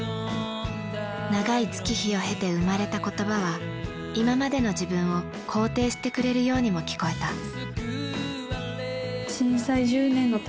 長い月日を経て生まれた言葉は今までの自分を肯定してくれるようにも聞こえた。